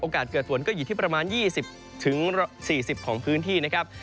เกิดฝนก็อยู่ที่ประมาณ๒๐๔๐ของพื้นที่นะครับ